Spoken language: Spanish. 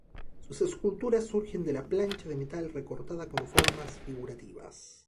Sus esculturas surgen de la plancha de metal recortada con formas figurativas.